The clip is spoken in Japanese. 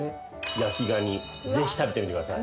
焼きガニぜひ食べてみてください